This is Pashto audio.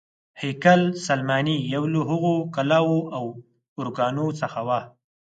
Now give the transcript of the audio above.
هیکل سلیماني یو له هغو کلاوو او ارګونو څخه و.